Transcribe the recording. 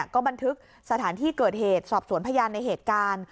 ก็บันทึกสถานที่เกิดเหตุสอบสวนพยานในเหตุการณ์